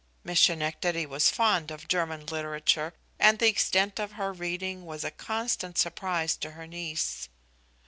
Miss Schenectady was fond of German literature, and the extent of her reading was a constant surprise to her niece.